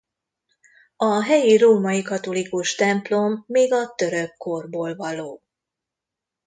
A helyi római katolikus templom még a török korból való.